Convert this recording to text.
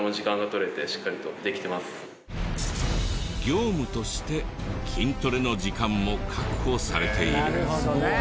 業務として筋トレの時間も確保されている。